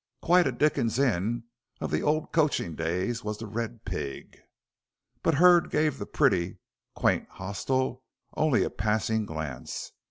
Quite a Dickens inn of the old coaching days was "The Red Pig." But Hurd gave the pretty, quaint hostel only a passing glance.